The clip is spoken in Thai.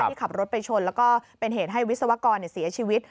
ที่ขับรถไปชนแล้วก็เป็นเหตุให้วิศวกรเสียชีวิต